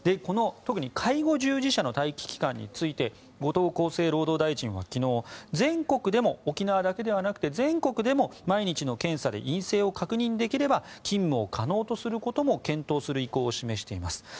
特に介護従事者の待機期間について後藤厚生労働大臣は昨日沖縄だけではなくて全国でも毎日の検査で陰性を確認できれば勤務を可能とすることも検討する意向を示しています。